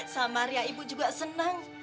sama ria ibu juga senang